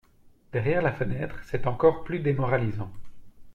Derrière la fenêtre, c’est encore plus démoralisant.